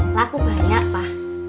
laku banyak pa